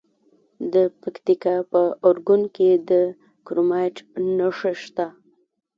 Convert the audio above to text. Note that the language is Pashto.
د پکتیکا په اورګون کې د کرومایټ نښې شته.